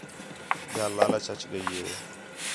ٻِیال لالچ اَچ ڳئی ہِے